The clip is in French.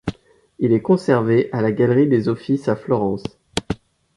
Il est conservé à la Galerie des Offices à Florence.